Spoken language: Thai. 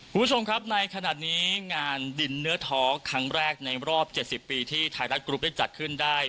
คุณผู้ชมครับในขณะนี้งานดินเนื้อท้อครั้งแรกในรอบ๗๐ปีที่ไทยรัฐกรุ๊ปได้จัดขึ้นได้